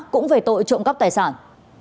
cũng về tội trộm cắp tài sản